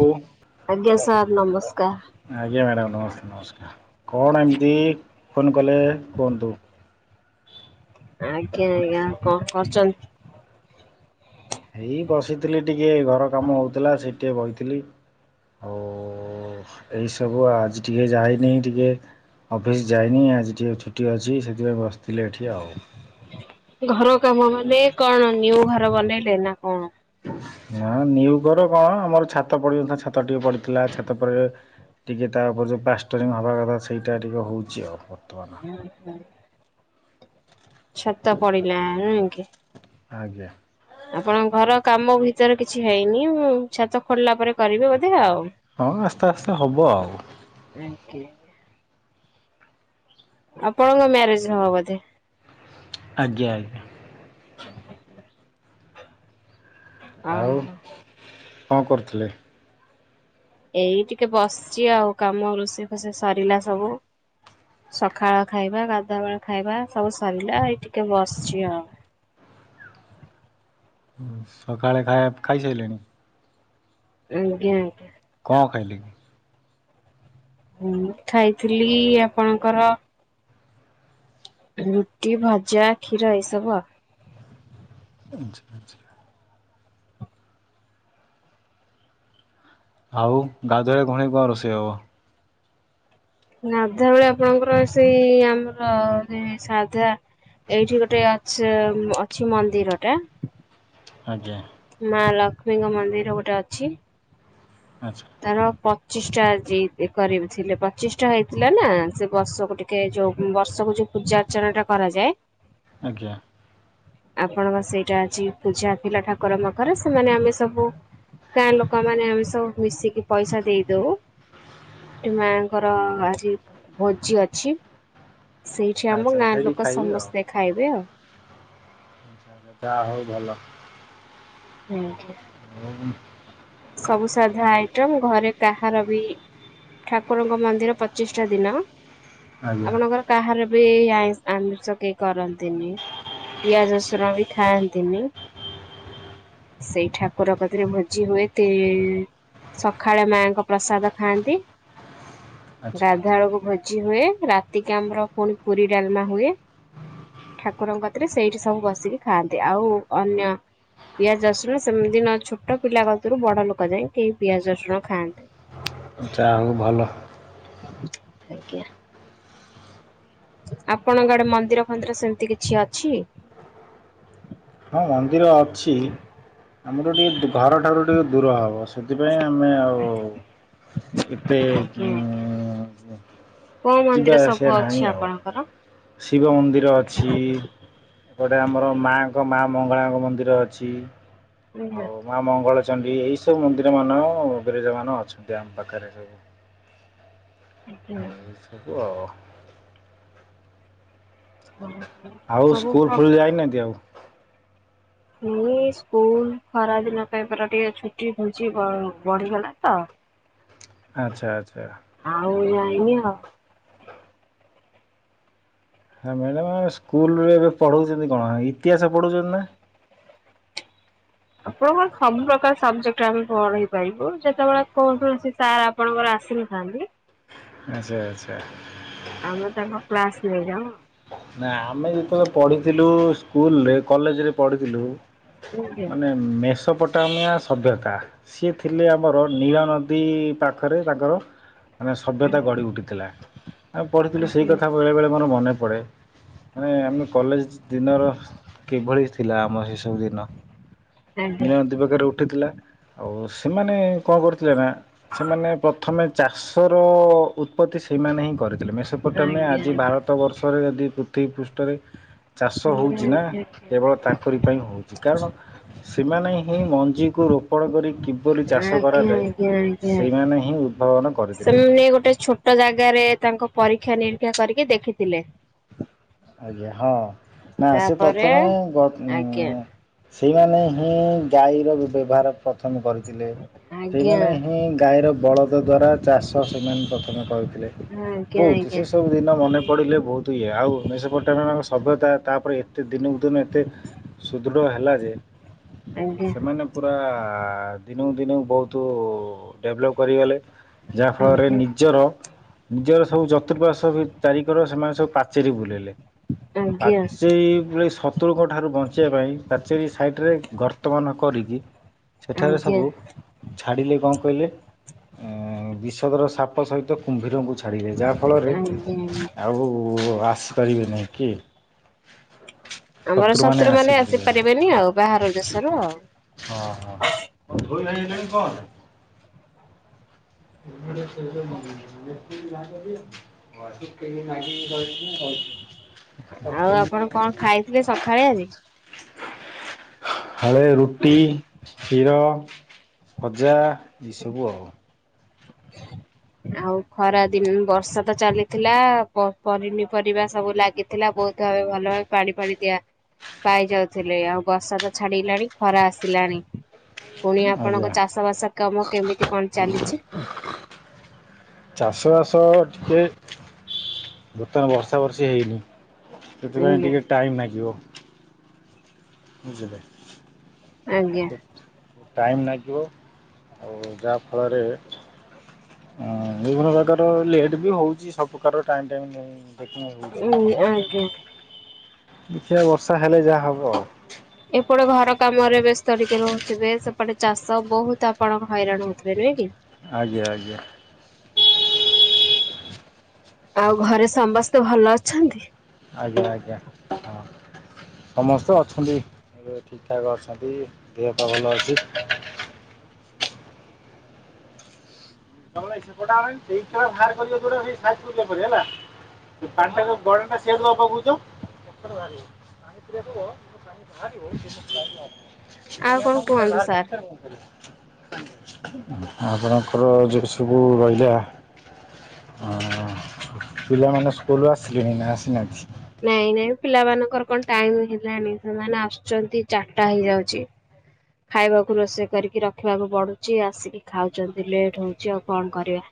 ହଉ ଆଜ୍ଞା ସାର୍ ନମସ୍କାର। ଆଜ୍ଞା ମ୍ୟାଡ଼ାମ ନମସ୍କାର ନମସ୍କାର କଣ ଏମିତି ଫୋନ୍ କଲେ କୁହନ୍ତୁ? ଆଜ୍ଞା ଆଜ୍ଞା କଣ କରୁଚନ୍ତି? ହେଇ ବସିଥିଲି ଟିକିଏ ଘର କାମ ହେଉଥିଲା ସେଇଠି ଟିକିଏ ବଇଥିଲି ଆଉ ଓ ଏଇ ସବୁ ଆଜି ଟିକେ ଯାଇନି ଟିକେ। ଅଫିସ୍ ଯାଇନି ଆଜି ଟିକି ଛୁଟି ଅଛି ସେଥିପାଇଁ ବସିଥିଲି ଏଠି ଆଉ। ଘର କାମ ମାନେ କଣ ନ୍ୟୁ ଘର ବନେଇଲେ ନା କଣ? ନା ନ୍ୟୁ ଘର କଣ ଆମର ଛାତ ପଡିନଥିଲା ଛାତ ଟିକେ ପଡିଥିଲା। ଛାତ ପରେ ଟିକେ ତା ଉପରେ ଯେଉଁ ପ୍ଲାଷ୍ଟରିଙ୍ଗ ହେବା କଥା ସେଇଟା ଟିକେ ହେଉଛି ଆଉ। ବର୍ତ୍ତମାନ। ହୁଁ ହୁଁ। ଛାତ ପଡ଼ିଲା ନାଇଁ କି? ଆଜ୍ଞା। ଆପଣଙ୍କ ଘର କାମ ଭିତରେ କିଛି ହେଇନି ମୁଁ ଛାତ ପଡିଲା ପରେ କରିବେ ବୋଧେ ଆଉ। ହଁ ଆସ୍ତେ ଆସ୍ତେ ହବ ଆଉ। ଏନେ କେ ଆପଣଙ୍କ ମ୍ୟାରେଜ ହବ ବୋଧେ ଆଜ୍ଞା ଆଜ୍ଞା ଆଉ ଓହୋ। କଣ କରୁଥିଲେ? ଏଇ ଟିକେ ବସିଛି ଆଉ କାମ ରୋଷେଇ ଫୋଷେଇ ସରିଲା ସବୁ। ସକାଳ ଖାଇବା ଗାଧୁବେଳା ଖାଇବା ସବୁ ସରିଲା ଏଇ ଟିକେ ବସିଛି ଆଉ। ସକାଳେ ଖାଇବା ଖାଇସାଇଲେଣି? ଆଜ୍ଞା ଆଜ୍ଞା କଣ ଖାଇଲେ? ହୁଁ ଖାଇଥିଲି ଆପଣଙ୍କର ରୁଟି ଭଜା କ୍ଷୀର ଏସବୁ ଆଉ। ଆଚ୍ଛା ଆଚ୍ଛା ଆଉ ଗାଧୁଆବେଳେ ଭଉଣୀ କଣ ରୋଷେଇ ହବ? ଗାଧୁଆ ବେଳେ ଆପଣଙ୍କର ସେଇ ଆମର ସେ ସାଧା ଏଇଠି ଗୋଟେ ଅଛି ଅଛି ମନ୍ଦିର ଟା। ଆଜ୍ଞା ମା ଲକ୍ଷ୍ମୀଙ୍କ ମନ୍ଦିର ଗୋଟେ ଅଛି। ଆଚ୍ଛା ତାର ପଚିଶଟା ଆଜି କରିଥିଲେ। ପଚିଶଟା ହେଇଥିଲା ନା ସେ ବର୍ଷ ଗୋଟେ ଏ ଯୋଉ ବର୍ଷକୁ ଯୋଉ ପୂଜା ଅର୍ଚ୍ଚନା ଟା କରାଯାଏ ଆଜ୍ଞା ଆପଣଙ୍କ ସେଇଟା ଆଜି ପୂଜା ଥିଲା ଠାକୁର ମାକର ସେମାନେ ଆମେ ସବୁ ଗାଁ ଲୋକମାନେ ଆମେ ସବୁ ମିଶିକି ପଇସା ଦେଇଦଉ। ଏ ମାଙ୍କର ଆଜି ଭୋଜି ଅଛି। ସେଇଠି ଆମ ଆଚ୍ଛା ଗାଁ ସେଇଠି ଲୋକ ଖାଇବେ ଆଉ। ସମସ୍ତେ ଖାଇବେ ଆଉ। ଯା ହଉ ଭଲ। [inaudible] [inaudible] ସବୁ ସାଧା ଆଇଟମ୍ ଘରେ କାହାର ବି ଠାକୁରଙ୍କ ମନ୍ଦିର ପଚିଷ୍ଟା ଟା ଦିନ ଆଜ୍ଞା ଆପଣଙ୍କର କାହାର ବି ଆ ଆମିଷ କେହି କରନ୍ତିନି। ପିଆଜ ରସୁର ବି ଖାଆନ୍ତିନି। ସେଇ ଠାକୁର କତିରେ ଭୋଜି ହୁଏ ତି ସକାଳେ ମାଙ୍କ ପ୍ରସାଦ ଖାଆନ୍ତି। ଆଚ୍ଛା ଗାଧୁଆ ବେଳେକୁ ଭୋଜି ଭୋଜି ହୁଏ ରାତିକି ଆମର ପୁଣି ପୁରୀ ଡାଲମା ହୁଏ। ଠାକୁରଙ୍କ କତିରେ ସେଇଠି ସବୁ ବସିକି ଖାଆନ୍ତି। ଆଉ ଅନ୍ୟ ପିଆଜ ରସୁଣ ସେମିତି ନ ଛୋଟ ପିଲା କତିରୁ ବଡ ଲୋକ ଯାଇ କେହି ପିଆଜ ରସୁଣ ଖାଆନ୍ତେନି। ଯା ହଉ ଭଲ। ଆଜ୍ଞା ଆପଣଙ୍କ ଆଡେ ମନ୍ଦିର ଫନ୍ଦିର ସେମିତି କିଛି ଅଛି? ହଁ ମନ୍ଦିର ଅଛି ଆମର ଟିକେ ଘରଠାରୁ ଟିକେ ଦୂର ହବ। ସେଥିପାଇଁ ଆମେ ଆଉ ଏତେ ଆଜ୍ଞା ହୁଁ ଆଜ୍ଞା। ହୁଁ କୋଉ ମନ୍ଦିର ସବୁ ଅଛି ଆପଣଙ୍କର? ଶିବ ମନ୍ଦିର ଅଛି ଗୋଟେ ଆମର ମା ତାଙ୍କ ମା ମଙ୍ଗଳାଙ୍କ ମନ୍ଦିର ଅଛି। ଆଜ୍ଞା ଆଉ ମା ମଙ୍ଗଳଚଣ୍ଡୀ ଏଇ ସବୁ ମନ୍ଦିର ମାନ ବିରାଜ ମାନ ଅଛନ୍ତି ଆମ ପାଖରେ ସବୁ। [unintelligible] ଆଜ୍ଞା। ଏଇସବୁ ଆଉ। ହଁ। ଆଉ ସ୍କୁଲ ଫୁଲ୍ ଯାଇନାହାନ୍ତି ଆଉ। ଏଇ ସ୍କୁଲ ଖରା ଦିନ ପାଇଁ ପରା ଟିକେ ଛୁଟି ଘୁଞ୍ଚି ବଢିଗଲା ତ। ଆଛା ଆଛା। ଆଉ ଯାଇନି ଆଉ। ହଁ ମ୍ୟାଡ଼ାମ ଆମ ସ୍କୁଲରେ ଏବେ ପଢ଼ଉଛନ୍ତି କଣ ଇତିହାସ ପଢ଼ୋଉଛନ୍ତି ନା। ଆପଣ ଙ୍କ ସବୁ ପ୍ରକାର ସବଜେକ୍ଟ ରେ ଆମେ ପଢେଇ ପାରିବୁ ଯେତେବେଳେ କୋନଶି ସାର୍ ଆ। ଆପଣଙ୍କର ଆସିନଥାନ୍ତି। ଆଚ୍ଛା ଆଚ୍ଛା। ଆମେ ତାଙ୍କ କ୍ଲାସ୍ ନେଇଯାଉ ଆଉ। ନା ଆମେ ଯେତେବେଳେ ପଢିଥିଲୁ ସ୍କୁଲରେ କଲେଜ ରେ ପଢିଥିଲୁ ଆଜ୍ଞା ମାନେ। ମେଷପଟାମିଆଁ ସଭ୍ୟତା। ସିଏ ଥିଲେ ଆମର ନୀଳ ନଦୀ ପାଖରେ ତାଙ୍କର। ଆମେ ସଭ୍ୟତା ଗଢ଼ି ଉଠିଥିଲା ଆମେ ପଢ଼ିଥିଲୁ ସେଇ ଆଜ୍ଞା। କଥା ବେଳେବେଳେ ମୋର ମନେ ପଡ଼େ। ମାନେ ଆମେ କଲେଜ ଦିନର କିଭଳି ଥିଲା ଆମ ସେ ସବୁ ଦିନ। ଆଜ୍ଞା। ନୀଳା ନଦୀ ପାଖରେ ଉଠିଥିଲା ଆଉ ସେମାନେ। କଣ କରୁଥିଲେନା ସେମାନେ ପ୍ରଥମେ ଚାଷର ଉତ୍ପତ୍ତି ସେଇମାନେହିଁ କରିଥିଲେ ମେଷ। ପ୍ରଟଲମେ ଆଜ୍ଞା ଆଜି ଆଜ୍ଞା ଭାରତ ବର୍ଷରେ ଯଦି ପୃଥିବୀ ପୃଷ୍ଠରେ। ଚାଷ ହଉଛି ନା ଆଜ୍ଞା କେବଳ ତାଙ୍କରି ପାଇଁ ହେଉଛି କାରଣ। ସେମାନେ ହିଁ ମଞ୍ଜିକୁ ରୋପଣ କରି କି। ଉପରେ ବୋଲି ଆଜ୍ଞା ଆଜ୍ଞା ଚାଷ କରାଯାଏ ଆଜ୍ଞା ଆଜ୍ଞା ଆଜ୍ଞା ସେଇମାନେ ହିଁ ଉଦ୍ଭାବନ କରିଥିଲେ। [unintelligible] ସେ ଗୋଟେ ଛୋଟ। ଟ ଜାଗାରେ ତାଙ୍କ ପରୀକ୍ଷା ନିରୀକ୍ଷା କରିକି ଦେଖିଥିଲେ। ଆଜ୍ଞା ହଁ ନା ସେ ତାପରେ ପ୍ରଥମେ ଆଜ୍ଞା ଆଜ୍ଞା ଉଁ। ସେଇମାନେ ହିଁ ଗାଈର ବ୍ୟବହାର। ପ୍ରଥମେ କରିଥିଲେ ଆଜ୍ଞା ସେଇମାନେ ହିଁ ଗାଈର ବଳଦ ଦ୍ଵାରା ଚାଷ। ତ ସେମାନେ ପ୍ରଥମେ କହିଥିଲେ ଆଜ୍ଞା ବହୁତ୍ ଆଜ୍ଞା। ସେ ସବୁ ଦିନ ମନେ ପଡ଼ିଲେ ବହୁତ୍ ଇଏ ଆଉ ଭୁବନେଶ୍ୱର। ପ୍ରଥମେ ଆମ ସଭ୍ୟତା ତାପରେ ଏତେ ଦିନକୁ ଦିନ ଏତେ ସୁଦୃଢ ହେଲା ଯେ। ଆଜ୍ଞା ସେମାନେ। ପୁରା ଦିନକୁ ଦିନକୁ ବହୁତ୍ ଡେଭଲପ୍ କରିଗଲେ। ଯାଆଫଳରେ ନିଜର। ନିଜର ସବୁ ଚତୃପାଶ୍ଵ ଭି ଚାରିକର ସେମାନେ ସବୁ ପାଚେରୀ ବୁଲେଇଲେ। ଆଜ୍ଞା ପାଚେଇ ପୁଳେଇ ସଚ। ପତୁଳଙ୍କ ଠାରୁ ବଞ୍ଚିବା ପାଇଁ ପାଚେରୀ ସାଇଟରେ ଗର୍ତ୍ତମାନ କରିକି। ସେଠାରେ ଆଜ୍ଞା ସବୁ। ଛାଡିଲେ କଣ କହିଲେ ଏ ବିଷଦର ସାପ ସହିତ କୁମ୍ଭୀରଙ୍କୁ ଛାଡିବେ ଯାହା। ଫଳ ରେ ଆଜ୍ଞା। ଆଉ ଆସିପାରିବେ ନି କିଏ? ଆମର ଶତ୍ରୁ ମାନେ ଆସିପାରିବେନି ଆଉ ବାହାର ଦେଶରୁ ଆଉ। ହଁ ହଁ। ଲାଗ [unintelligible] ୁ କେି ମାଗି ଗାଉଛି ନା ଗାଉଛି [unintelligible] ଆଉ ଆପଣ କଣ ଖାଇଥିଲେ ସକାଳେ ଆଜି। ହ ଫାଳେ ରୁଟି କ୍ଷୀର ଭଜା ଏସବୁ ଆଉ। ହ [unintelligible] ଆଉ ଖରା ଦିନ ବର୍ଷା ତ ଚାଲିଥିଲା ପ ପନିପରିବା ସବୁ ଲାଗି। ଥିଲା ବହୁତ ଭାବେ ଭଲ ପାଣି ପାଣି ଦିଆ। ପାଇଯାଉଥିଲେ ଆଉ ବର୍ଷା ତ ଛାଡଗିଲାଣି ଖରା ଆସିଲାଣି। ପୁଣି ଆପଣଙ୍କ ଆଜ୍ଞା। ଚାଷ ବାସ କାମ କେମିତି କଣ ଚାଲିଛି। ଚାଷବାସ ଟିକେ ବର୍ତ୍ତମାନ ବର୍ଷା ବର୍ଷି ହେଇନି ସେଥିପାଇଁ ଆଜ୍ଞା ଟିକେ ଟାଇମ ନଗିବା। [unintelligible] ଆଜ୍ଞା। ଟାଇମ ନାଗିବ ଆଉ ଯାହାଫଳରେ ହଁ ବିଭିନ୍ନ ପ୍ରକାରର ଲେଟ୍ ବି ହଉଛି ସବୁ ପ୍ରକାର ଟାଇମ୍ ଟାଇମ୍ ନାଇଁ। ଉ ଦେଖିବା ଆଜ୍ଞା ବର୍ଷା ହେଲେ ଯାହା ହବ ଆଉ। ଏପଟେ ଘର କାମରେ ବେସ୍ତ ଟିକେ ରହୁଥିବେ ସେପଟେ ଚାଷ ବହୁତ ଆପଣ ହଇରାଣ ହଉଥିବେ ନୁହେଁ କି? ଆଜ୍ଞା ଆଜ୍ଞା। ଆଉ ଘରେ ସମସ୍ତେ ଭଲ ଅଛନ୍ତି? ଆଜ୍ଞା ଆଜ୍ଞା ହଁ। ସମସ୍ତେ ଅଛନ୍ତି ଏବେ ଠିକ ଠାକ୍ ଅଛନ୍ତି ଦେହପା ଭଲ ଅଛି। ତମେ ସେପଟା ଆ ସେଇ ଖେଳ ବାହାର କରିବା ଦୋଉଟା ସେଇ ସ ପରେ ହେଲା ପାଟା ଗୋଡଟା ସି ଦବା ପକଛ କେତ ବା [unintelligible] ଆଉ କଣ କୁହନ୍ତୁ ସାର୍ [unintelligible] ଆପଣଙ୍କର ଯଉ ସବୁ ରହିଲା। ଅଁ ପିଲାମାନେ ସ୍କୁଲରୁ ଆସିଲେଣି ନା ଆସିନାହାନ୍ତି? ନାଇଁ ନାଇଁ ପିଲାମାନଙ୍କର କଣ ଟାଇମ ହେଲାଣି ସେମାନେ ଆସୁଛନ୍ତି ଚାରିଟା ହେଇଯାଉଛି। ଖାଇବାକୁ ରୋଷେଇ କରିକି ରଖିବାକୁ ପଡୁଛି ଆସିକି ଖାଉଛନ୍ତି। ଲେଟ୍ ହଉଛି ଆଉ କଣ କରିବା।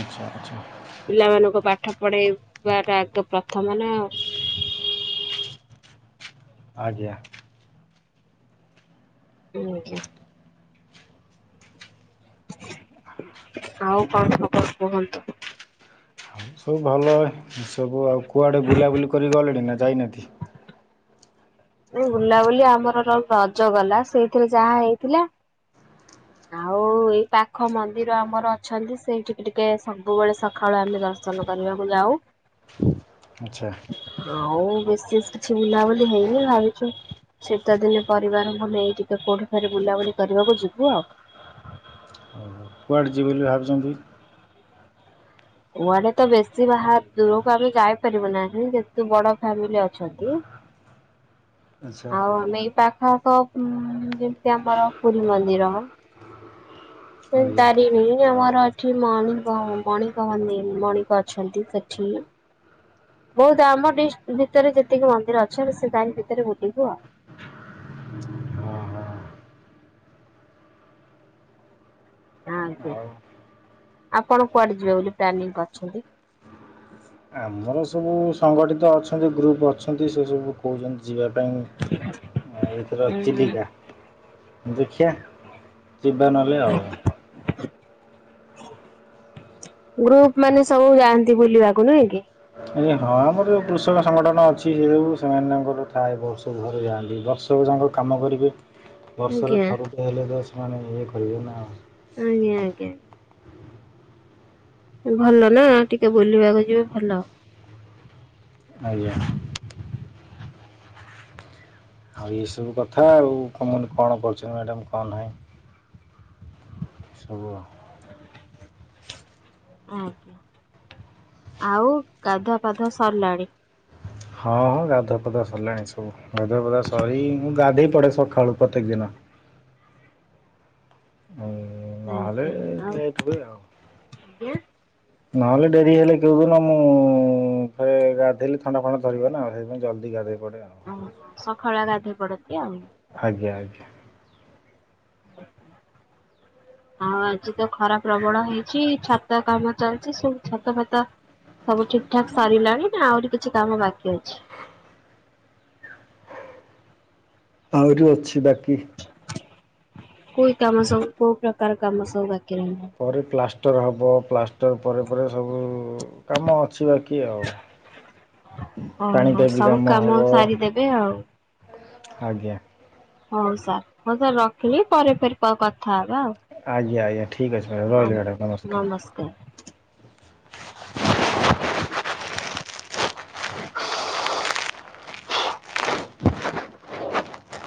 ଆଚ୍ଛା ଆଚ୍ଛା। ପିଲାମାନଙ୍କୁ ପାଠ ପଢ଼ାଇବାଟା ଆଗ ପ୍ରଥମ ନା। ଆଜ୍ଞା। ଅଜ୍ଞ ଆଉ କଣ ଖବର କୁହନ୍ତୁ? ହଉ ସବୁ ଭଲ ଏ ସବୁ ଆଉ କୁଆଡ଼େ ବୁଲାବୁଲି କରି ଗଲେଣି ନା ଯାଇନାହାନ୍ତି? ନାଇଁ ବୁଲାବୁଲି ଆମର ଯଉ ରଜ ଗଲା ସେଇଥିରେ ଯାହା ହେଇଥିଲା। ଆଉ ଏଇ ପାଖ ମନ୍ଦିର ଆମର ଅଛନ୍ତି। ସେଇଠିକି ଟିକେ ସବୁବେଳେ ସଖାଳୁ ଆମେ ଦର୍ଶନ କରିବାକୁ ଯାଉ। ଆଚ୍ଛା। ଆଉ ବିଶେଷ କିଛି ବୁଲାବୁଲି ହେଇନି ଭାବିଛି ଶୀତଦିନେ ପରିବାରଙ୍କୁ ନେଇ ଟିକେ କୋଉଠିକୁ ବୁଲାବୁଲି କରିବାକୁ ଯିବୁ ଆଉ। କୁଆଡ଼େ ଯିବେ ବୋଲି ଭାବିଛନ୍ତି? କୁଆଡେ ତ ବେଶୀ ବାହା ଦୂରକୁ ଆମେ ଯାଇପାରିବୁ ନାହିଁ ଯେହେତୁ ବଡ ଫ୍ୟାମିଲୀ ଅଛନ୍ତି। ଆଚ୍ଛା [inaudible] ଆଉ ଆମେ ଏଇ ପାଖଆଖ ଯେମିତି ଆମର ପୁରୀ ମନ୍ଦିର। ସେମତି ଆଜ୍ଞା ତାରିଣୀ ଆମର ଏଠି ମଣିକ ମଣିକମାନେ ମଣିକ ଅଛନ୍ତି ସେଠି। ବହୁତ ଆମ ଡିଷ୍ଟ ଭିତରେ ଯେତିକି ମନ୍ଦିର ଅଛି ସେ ତାରି ଭିତରେ ବୁଲିବୁ ଆଉ। ହଁ ହଁ [unintelligible] ଆଉ ଆପଣ କୁଆଡେ ଯିବେ ବୋଲି ପ୍ଲାନିଂ କରିଛନ୍ତି? ନାମ ଆମର ସବୁ ସଂଗଠିତ ଅଛନ୍ତି ଗ୍ରୁପ୍ ଅଛନ୍ତି ସେ ସବୁ କହୁଛନ୍ତି। ଯିବା ପାଇଁ ଏଥର ହୁଁ ହୁଁ। ଚିଲିକା। ଦେଖିଆ ଯିବା ନହଲେ ଆଉ। ଗ୍ରୁପ ମାନେ ସବୁ ଯାଆନ୍ତି ବୁଲିବାକୁ ନୁହେଁ କି? ଆ ହଁ ଆମର ଯୋଉ କୃଷକ ସଂଗଠନ ଅଛି ସେ ସବୁ ସେମାନେ ତାଙ୍କର ଥାଏ ବର୍ଷକୁ ଥରେ ଯାଆନ୍ତି। ବର୍ଷ ସବୁ ଯାକ କାମ କରିବେ ବର୍ଷରେ ଆଜ୍ଞା। ଥରୁଟେ ହେଲେ ତ ସେମାନେ ଇଏ କରିବେ ନା ଆଉ। ଆଜ୍ଞା ଆଜ୍ଞା। ଭଲ ନା ଟିକେ ବୁଲିବାକୁ ଯିବେ ଭଲ। ଆଜ୍ଞା। ଆଉ ଏଇ ସବୁ କଥା ଆଉ କଣ କଣ କରୁଛନ୍ତି ମ୍ୟାଡ଼ାମ କଣ ନାହିଁ। ସବୁ ଆଉ। ହଁ, ଆଉ ଗାଧୁଆ ପାଧୁଆ ସରିଲାଣି। ହଁ ହଁ ଗାଧୁଆପାଧୁଆ ସରିଲାଣି ସବୁ ଗାଧୁଆପଧା ସରି ମୁଁ ଗାଧେଇ ପଡେ ସକାଳୁ ପ୍ରତ୍ୟେକ ଦିନ। ନହେଲେ ଆଜ୍ଞା। ଲେଟ୍ ହୁଏ ଆଉ। ଆଜ୍ଞା। ନହଲେ ଡେରି ହେଲେ କେଉଁଦିନ ମୁଁ ଫରେ ଗାଧୋଇଲେ ଥଣ୍ଡା ଫଣ୍ଡା ଧରିବ ନା ସେଇଥପାଇଁ ଜଲ୍ଦି ଗାଧେଇ ପଡେ ଆଉ। ଓ ସକାଳୁଆ ଗାଧୋଇ ପଡନ୍ତି ଆଉ। ଆଜ୍ଞା ଆଜ୍ଞା। ଆଉ ଆଜି ତ ଖରା ପ୍ରବଳ ହେଇଛି ଛାତ କାମ ଚାଲିଛି ସବୁ ଛାତ ଫାତ ସବୁ ଠିକ ଠାକ ସରିଲାଣି ନା ଆହୁରି କିଛି କାମ ବାକି ଅଛି। ଆହୁରି ଅଛି ବାକି। କୁଇ କାମ ସବୁ କୋଉ ପ୍ରକାର କାମ ସବୁ ବାକି ରହିଲା। ପରେ ପ୍ଲାଷ୍ଟର ହବ ପ୍ଲାଷ୍ଟର ପରେ ପରେ ସବୁ କାମ ଅଛି ବାକି ଆଉ। ଓ ପାଣି ହୋ ପାଇପ୍ ସବୁ ହେବ କାମ ସାରିଦେବେ ଆଉ। ଆଜ୍ଞା। ହଉ ସାର୍ ମୁଁ ସାର୍ ରଖିଲି ପରେ ପରେ କ କଥା ହବା ଆଉ। ଆଜ୍ଞା ଆଜ୍ଞା ଠିକ୍ ଅଛି ମ୍ୟାଡ଼ାମ ରହିଲ ମ୍ୟାଡ଼ାମ ନମସ୍କାର। ହୁଁ। ହଁ।